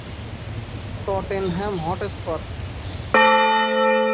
Tottenham Hotspur